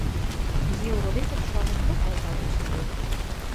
Изи ородетӹм шыгырток алтален шӹндевӹ.